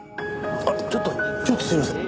あっちょっとちょっとすいません。